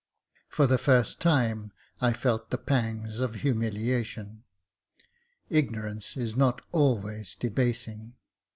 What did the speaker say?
For the first time I felt the pangs of humiliation. Ignorance is not always debasing.